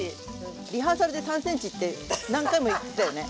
リハーサルで３ｃｍって何回も言ってたよね？